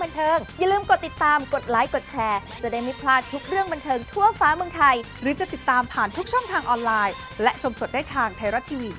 เพลงแม่พึ่งนะมันอยู่ในทุกช่วงจังหวะของชีวิต